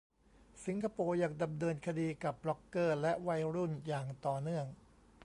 สิงคโปร์ยังดำเนินคดีกับบล็อกเกอร์และวัยรุ่นอย่างต่อเนื่อง